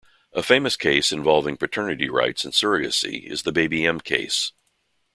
A famous case involving paternity rights and surrogacy is the Baby M case.